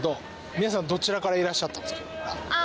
皆さんどちらからいらっしゃったんですか？